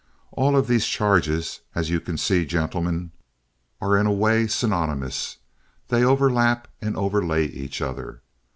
All of these charges, as you can see, gentlemen, are in a way synonymous. They overlap and overlay each other.